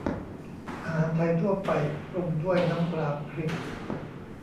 อาหารไทยทั่วไป ปรุงด้วยน้ำปลาพริก